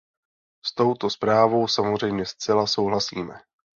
S touto zprávou samozřejmě zcela souhlasíme.